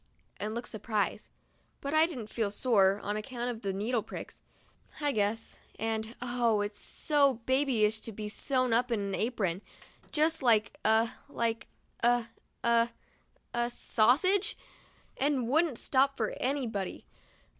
and looked surprised; but I did feel sore, on account of the needle pricks, I guess (and oh, it is so babyish to be sewn up in an apron, just like a — like a — a — a — sausage !) and wouldn't stop for any body.